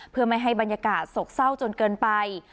เพื่อไม่ให้บรรยากาศโศกเศร้าจนเกินไป